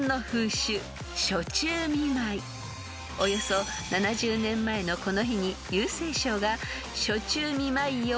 ［およそ７０年前のこの日に郵政省が］